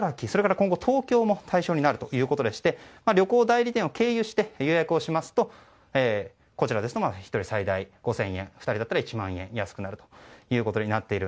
それから今後、東京も対象になるということでして旅行代理店を経由して予約しますとこちらですと１人最大５０００円２人だったら最大１万円安くなるということです。